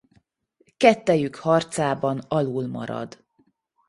Kettejük harcában alulmarad.